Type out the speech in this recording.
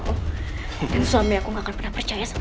pak sepertinya ada keributan pak coba liat